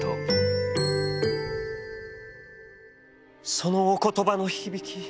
「そのお言葉の響き